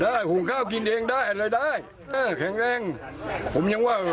หุงข้าวกินเองได้อะไรได้เออแข็งแรงผมยังว่า